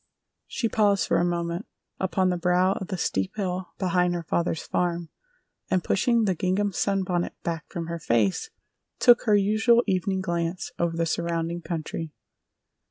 She paused for a moment upon the brow of the steep hill behind her father's farm, and pushing the gingham sunbonnet back from her face, took her usual evening glance over the surrounding country.